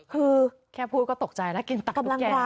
คือแค่พูดก็ตกใจแล้วกินตับตุ๊กแก่